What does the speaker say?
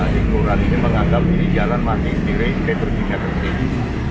di kelurahan ini menganggap ini jalan manging sendiri